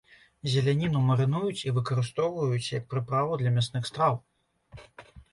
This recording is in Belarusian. Зеляніну марынуюць і выкарыстоўваюць як прыправу для мясных страў.